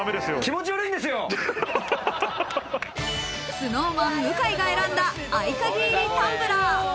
ＳｎｏｗＭａｎ・向井が選んだ合鍵入りタンブラー。